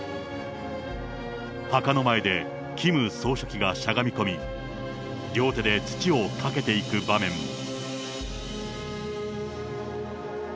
墓の前でキム総書記がしゃがみ込み、両手で土をかけていく場面も。